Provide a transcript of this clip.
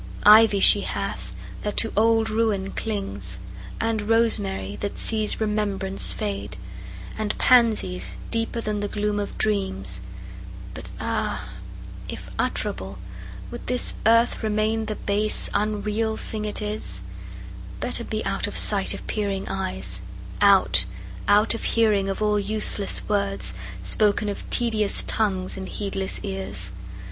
Ivy she hath, that to old ruin clings; And rosemary, that sees remembrance fade; And pansies, deeper than the gloom of dreams; But ah! if utterable, would this earth Remain the base, unreal thing it is? Better be out of sight of peering eyes; Out out of hearing of all useless words, Spoken of tedious tongues in heedless ears.